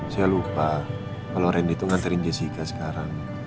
saya lupa kalau rendy tuh nganterin jessica sekarang